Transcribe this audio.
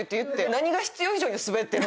何が必要以上にスベってるんですか。